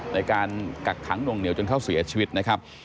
กักขังหน่วงเหนียวจนเขาเสียชีวิตนะครับ